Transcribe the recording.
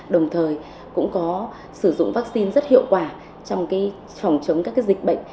đồng thời cũng có sử dụng vắc xin rất hiệu quả trong phòng chống các dịch bệnh